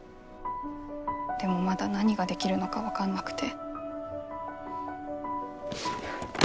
でもまだ何ができるのか分かんなくて。